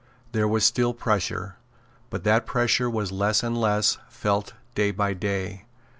There was still pressure; but that pressure was less and less felt day by day.